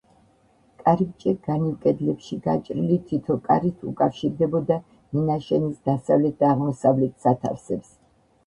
კარიბჭე განივ კედლებში გაჭრილი თითო კარით უკავშირდებოდა მინაშენის დასავლეთ და აღმოსავლეთ სათავსებს.